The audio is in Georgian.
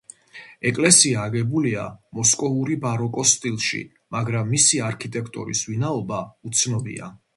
ეკლესია აგებულია მოსკოვური ბაროკოს სტილში, მაგრამ მისი არქიტექტორის ვინაობა უცნობია.